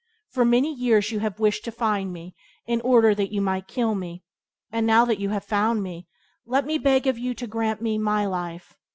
For many years you have wished to find me in order that you might kill me; and, now that you have found me, let me beg of you to grant me my life."